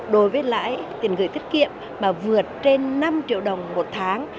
đối với lãi tiền gửi tiết kiệm mà vượt trên năm triệu đồng một tháng